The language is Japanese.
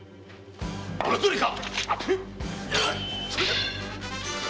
物盗りか⁉